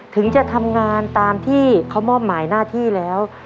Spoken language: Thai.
ถึงจะทำงานตามที่เขามอบหมายหน้าที่แล้ว